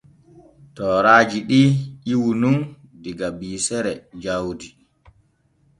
Tooraaji ɗi ƴiwu nun diga biisere jawdi.